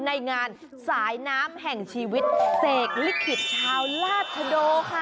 ในงานสายน้ำแห่งชีวิตเสกลิขิตชาวราชโดค่ะ